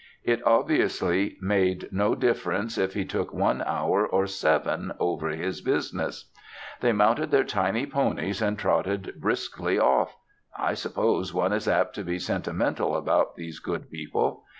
It obviously made no difference if he took one hour or seven over his business. They mounted their tiny ponies and trotted briskly off.... I suppose one is apt to be sentimental about these good people.